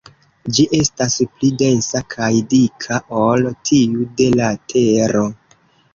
Ĝi estas pli densa kaj dika ol tiu de la Tero.